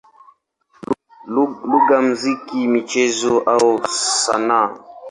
lugha, muziki, michezo au sanaa.